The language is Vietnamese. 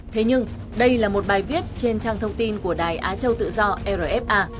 thế nhưng đây là một bài viết trên trang thông tin của đài á châu tự do rfa